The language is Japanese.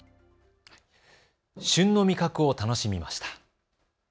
旬の味覚を楽しみました。